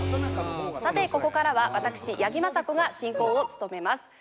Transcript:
さてここからは私八木麻紗子が進行を務めます。